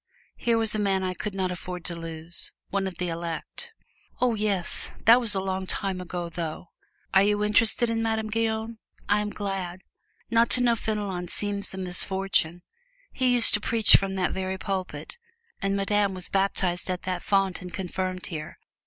Here was a man I could not afford to lose one of the elect! "Oh, yes; that was a long time ago, though. Are you interested in Madame Guyon? I am glad not to know Fenelon seems a misfortune. He used to preach from that very pulpit, and Madame was baptized at that font and confirmed here.